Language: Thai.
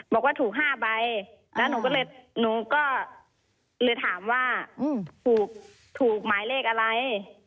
บอกว่าถูก๕ใบแล้วหนูก็เลยหนูก็เลยถามว่าถูกหมายเลขอะไร